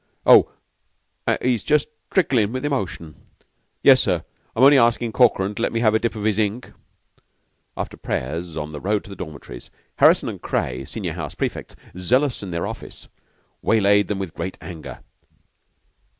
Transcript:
Oh, he is just tricklin' with emotion... Yes, sir, I'm only askin' Corkran to let me have a dip in his ink." After prayers, on the road to the dormitories, Harrison and Craye, senior house prefects, zealous in their office, waylaid them with great anger.